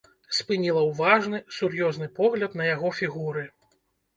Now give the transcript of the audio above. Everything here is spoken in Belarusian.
Спыніла ўважны, сур'ёзны погляд на яго фігуры.